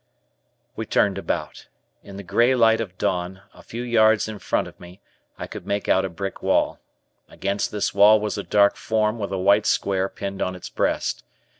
We turned about. In the gray light of dawn, a few yards in front of me, I could make out a brick wall. Against this wall was a dark form with a white square pinned on its breast.